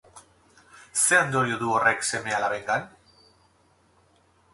Ze ondorio du horrek seme-alabengan?